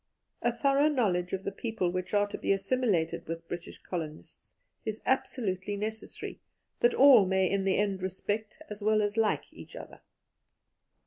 A thorough knowledge of the people which are to be assimilated with British colonists is absolutely necessary, that all may in the end respect, as well as like, each other.